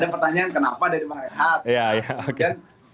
ada pertanyaan kenapa dari mas adi